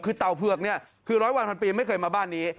คือเต่าเผือกเนี่ยคือร้อยวันพันปีไม่เคยมาบ้านนี้